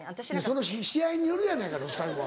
その試合によるやないかロスタイムは。